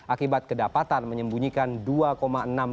akibat kedapatan menyembunyikan dendam